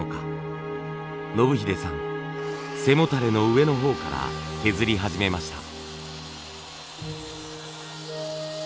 信英さん背もたれの上の方から削り始めました。